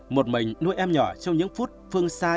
một mình nuôi em nhỏ trong những phút phương sai